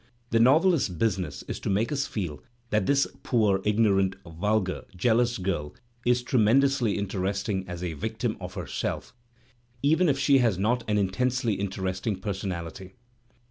The novelist's business is to make us feel that this poor, ignorant, vulgar, jealous girl is tremendously interesting as a victim of herself, even if she has not an intensely interesting per sonality.